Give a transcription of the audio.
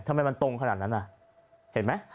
ทำไมมันตรงขนาดนั้นน่ะเห็นไหม